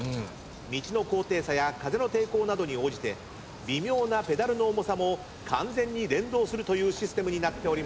道の高低差や風の抵抗などに応じて微妙なペダルの重さも完全に連動するというシステムになっております。